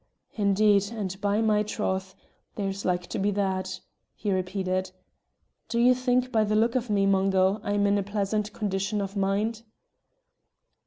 "Indeed, and by my troth! there's like to be that!" he repeated. "Do ye think, by the look of me, Mungo, I'm in a pleasant condition of mind?"